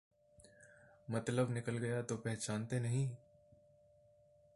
ਮਤਲਬ ਨਿਕਲ ਗਯਾ ਤੋਂ ਪਹਿਚਾਨਤੇ ਨਹੀਂ